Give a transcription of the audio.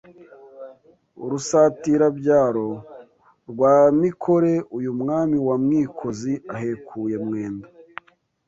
Rusatirabyaro rwa Mikore Uyu Mwami wa Mwikozi Ahekuye Mwendo